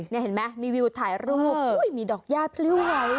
นี่เห็นไหมมีวิวถ่ายรูปมีดอกย่าพลิ้วไหว